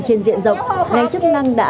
trên diện rộng ngành chức năng đã